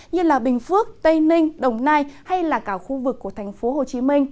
như bình phước tây ninh đồng nai hay cả khu vực của thành phố hồ chí minh